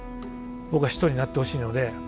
僕は人になってほしいので。